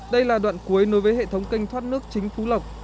đây là đoạn cuối nối với hệ thống kênh thoát nước chính phú lộc